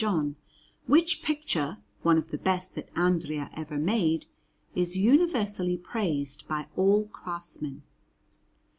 John; which picture, one of the best that Andrea ever made, is universally praised by all craftsmen.